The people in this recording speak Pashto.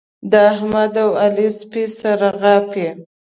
د احمد او علي سپي سره غاپي.